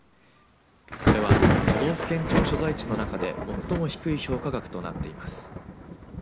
これは都道府県庁所在地の中で最も低い評価額となっています。